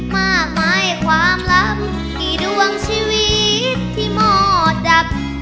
มากมายความล้ำกี่ดวงชีวิตที่หมอดับ